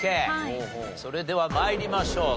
それでは参りましょう。